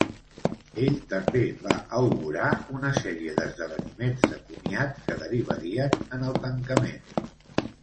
Ell també va augurar una sèrie d'esdeveniments de comiat que derivarien en el tancament.